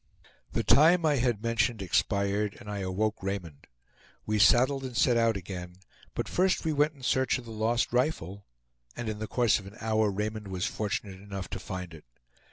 The time I had mentioned expired, and I awoke Raymond. We saddled and set out again, but first we went in search of the lost rifle, and in the course of an hour Raymond was fortunate enough to find it.